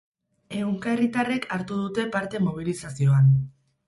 Ehunka herritarrek hartu dute parte mobilizazioan.